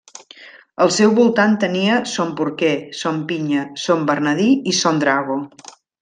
Al seu voltant tenia Son Porquer, Son Pinya, Son Bernadí i Son Drago.